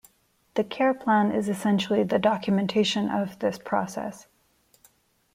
The care plan is essentially the documentation of this process.